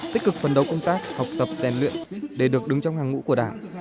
tích cực phần đấu công tác học tập tèn luyện để được đứng trong hàng ngũ của đảng